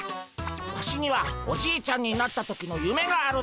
ワシにはおじいちゃんになった時のゆめがあるでゴンス。